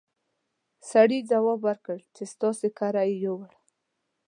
سړي ځواب ورکړ چې ستاسې کره يې وړي!